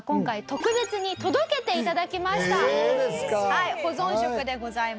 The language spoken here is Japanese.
はい保存食でございます。